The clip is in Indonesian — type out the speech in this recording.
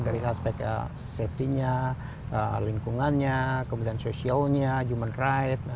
dari aspek safety nya lingkungannya kemudian social nya human rights